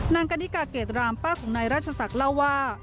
กณิกาเกรดรามป้าของนายราชศักดิ์เล่าว่า